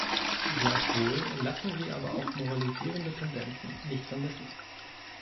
Gleichwohl lassen sie aber auch moralisierende Tendenzen nicht vermissen.